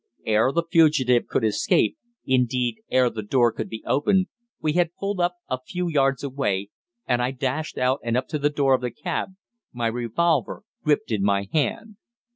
Ere the fugitive could escape, indeed ere the door could be opened, we had pulled up a few yards away, and I dashed out and up to the door of the cab, my revolver gripped in my hand.